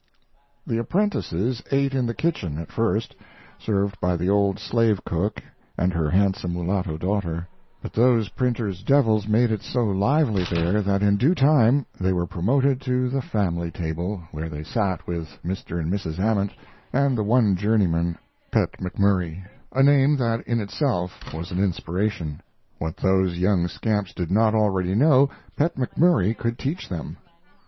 The apprentices ate in the kitchen at first, served by the old slave cook and her handsome mulatto daughter; but those printer's "devils" made it so lively there that in due time they were promoted to the family table, where they sat with Mr. and Mrs. Ament and the one journeyman, Pet McMurry a name that in itself was an inspiration. What those young scamps did not already know Pet McMurry could teach them.